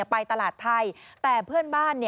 ไปตลาดไทยแต่เพื่อนบ้าน